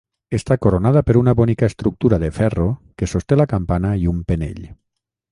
Està coronada per una bonica estructura de ferro que sosté la campana i un penell.